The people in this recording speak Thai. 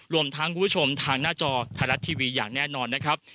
รวมทั้งคุณผู้ชมทางหน้าจอไทยรัฐทีวีอย่างแน่นอนนะครับ